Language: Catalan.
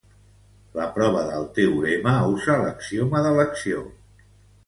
La prova del teorema usa l'axioma d'elecció.